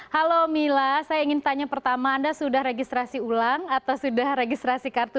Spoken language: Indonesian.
halo mila saya ingin tanya pertama anda sudah registrasi ulang atau sudah registrasi kartu